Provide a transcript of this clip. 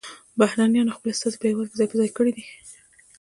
بهرنیانو خپل استازي په هیواد کې ځای پر ځای کړي